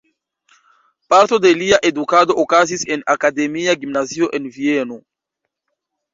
Parto de lia edukado okazis en Akademia Gimnazio en Vieno.